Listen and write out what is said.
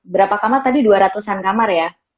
berapa kamar tadi dua ratus an kamar ya